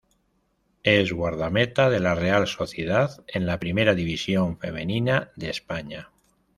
Es guardameta de la Real Sociedad en la Primera División Femenina de España.